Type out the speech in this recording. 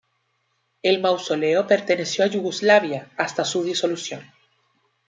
El mausoleo perteneció a Yugoslavia hasta su disolución.